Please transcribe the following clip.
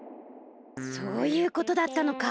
そういうことだったのか。